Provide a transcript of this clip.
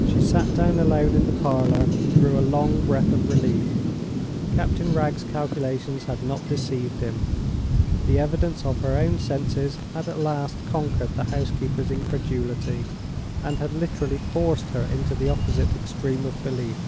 She sat down alone in the parlor and drew a long breath of relief. Captain Wragge's calculations had not deceived him. The evidence of her own senses had at last conquered the housekeeper's incredulity, and had literally forced her into the opposite extreme of belief.